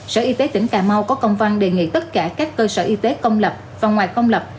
sở y tế tỉnh cà mau có công văn đề nghị tất cả các cơ sở y tế công lập và ngoài công lập